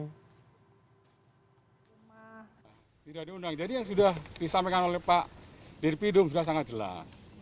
tidak diundang jadi yang sudah disampaikan oleh pak dirpidum sudah sangat jelas